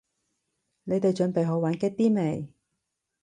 你哋準備好玩激啲未？